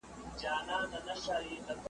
چي ورور دي وژني ته ورته خاندې ,